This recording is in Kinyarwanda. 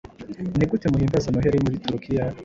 Ni gute muhimbaza Noheli muri Turukiya?"